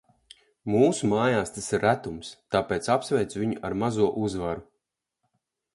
Mūsu mājās tas ir retums, tāpēc apsveicu viņu ar mazo uzvaru.